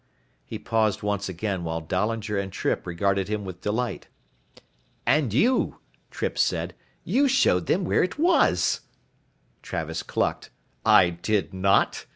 He paused once again while Dahlinger and Trippe regarded him with delight. "And you," Trippe said, "you showed them where it was." Travis clucked. "I did not.